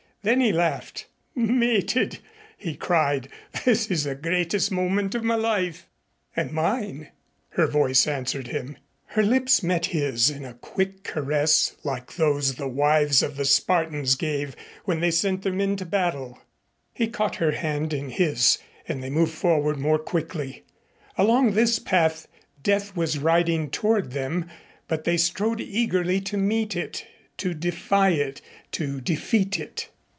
Then he laughed. "Mated!" he cried. "This is the greatest moment of my life." "And mine," her voice answered him. Her lips met his in a quick caress, like those the wives of the Spartans gave when they sent their men to battle. He caught her hand in his and they moved forward more quickly. Along this path Death was riding toward them, but they strode eagerly to meet it, to defy it, to defeat it.